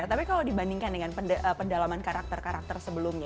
tapi kalau dibandingkan dengan pendalaman karakter karakter sebelumnya